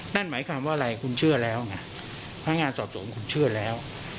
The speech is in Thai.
นั่นหมายความว่าอะไรคุณเชื่อแล้วไงพนักงานสอบสวนคุณเชื่อแล้ว